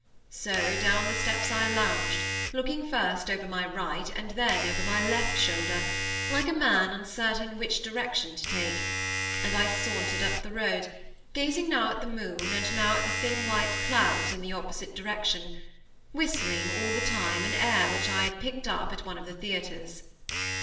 So down the steps I lounged, looking first over my right, and then over my left shoulder, like a man uncertain which direction to take, and I sauntered up the road, gazing now at the moon, and now at the thin white clouds in the opposite direction, whistling, all the time, an air which I had picked up at one of the theatres.